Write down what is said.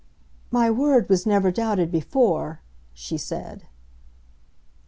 "My word was never doubted before," she said.